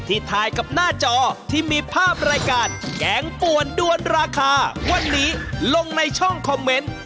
ถ่ายกับหน้าจอที่มีภาพรายการแกงป่วนด้วนราคาวันนี้ลงในช่องคอมเมนต์